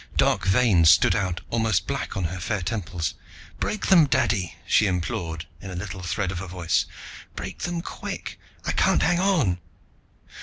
Dark veins stood out almost black on her fair temples. "Break them, Daddy," she implored in a little thread of a voice. "Break them, quick. I can't hang on...."